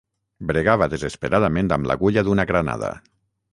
Bregava desesperadament amb l'agulla d'una granada.